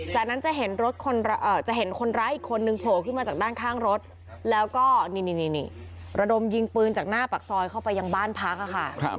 จากนั้นจะเห็นรถจะเห็นคนร้ายอีกคนนึงโผล่ขึ้นมาจากด้านข้างรถแล้วก็นี่ระดมยิงปืนจากหน้าปากซอยเข้าไปยังบ้านพักค่ะ